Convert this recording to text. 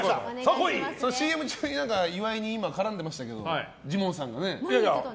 ＣＭ中に岩井に絡んでましたけどジモンさんがね。